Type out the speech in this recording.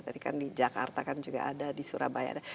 tadi kan di jakarta kan juga ada di surabaya